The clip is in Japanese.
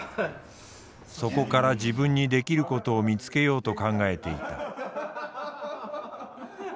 そこから自分にできることを見つけようと考えていた。